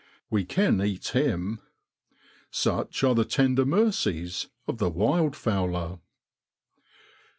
We can eat him. Such are the tender mercies of the wild fowler.